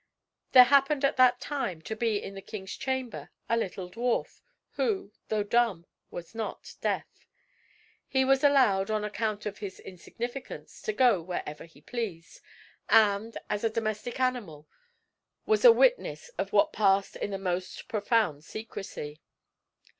There happened at that time to be in the king's chamber a little dwarf, who, though dumb, was not deaf. He was allowed, on account of his insignificance, to go wherever he pleased, and, as a domestic animal, was a witness of what passed in the most profound secrecy.